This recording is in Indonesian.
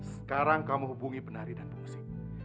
sekarang kamu hubungi penari dan pengusi